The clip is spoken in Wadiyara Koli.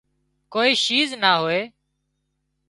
ڪوئي شيِز نِا هوئي